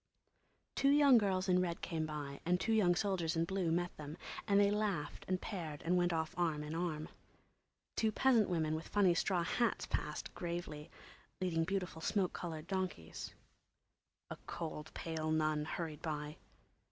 Two young girls in red came by and two young soldiers in blue met them, and they laughed and paired and went off arm in arm. Two peasant women with funny straw hats passed, gravely, leading beautiful smoke coloured donkeys. A cold, pale nun hurried by.